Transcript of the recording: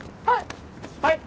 はい。